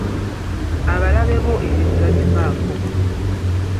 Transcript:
Abalabe bo ebyo tebabifaako.